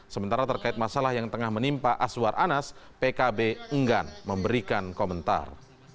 sementara terkait masalah yang tengah menimpa aswar anas pkb enggan memberikan komentar